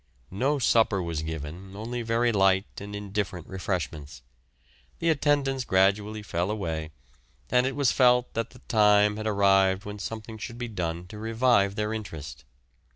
No supper was given, only very light and indifferent refreshments. The attendance gradually fell away, and it was felt that the time had arrived when something should be done to revive their interest.